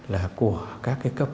là của các cái cấp